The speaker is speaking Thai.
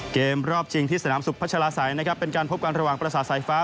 เกมรอบชิงที่สนามสุขพัชลาศัยนะครับเป็นการพบกันระหว่างประสาทสายฟ้า